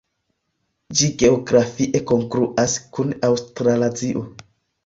Ĝi geografie kongruas kun Aŭstralazio.